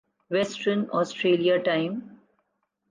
western Australia time